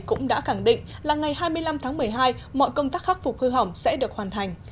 cũng đã khẳng định là ngày hai mươi năm tháng một mươi hai mọi công tác khắc phục hư hỏng sẽ được hoàn thành